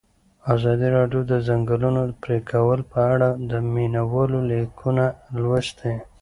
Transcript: ازادي راډیو د د ځنګلونو پرېکول په اړه د مینه والو لیکونه لوستي.